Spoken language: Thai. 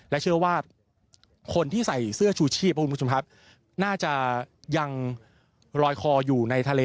และเชื่อว่าคนที่ใส่เสื้อชูชี้น่าจะยังลอยคออยู่ในทะเล